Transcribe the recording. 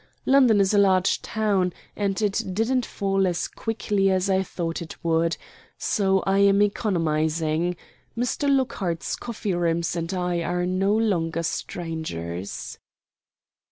London is a large town, and it didn't fall as quickly as I thought it would. So I am economizing. Mr. Lockhart's Coffee Rooms and I are no longer strangers."